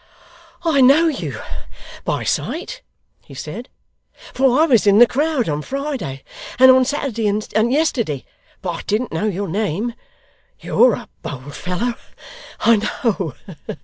'I know you by sight,' he said, 'for I was in the crowd on Friday, and on Saturday, and yesterday, but I didn't know your name. You're a bold fellow, I know.